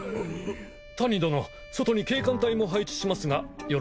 谷殿外に警官隊も配置しますがよろしいですね？